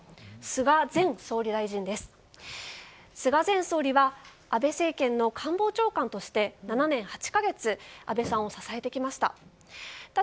菅前総理は安倍政権の官房長官として７年８か月安倍さんを支えてきました。